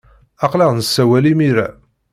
Aql-aɣ nessawal imir-a.